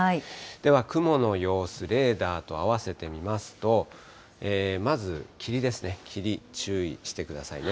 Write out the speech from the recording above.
では雲の様子、レーダーと合わせて見ますと、まず霧ですね、霧、注意してくださいね。